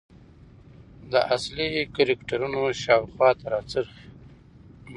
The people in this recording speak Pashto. د اصلي کرکترونو شاخواته راڅرخي .